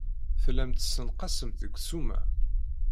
Tellamt tessenqasemt deg ssuma.